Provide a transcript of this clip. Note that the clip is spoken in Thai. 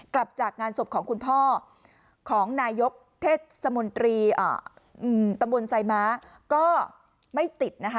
กลับจากงานศพของคุณพ่อของนายกเทศมนตรีตำบลไซม้าก็ไม่ติดนะคะ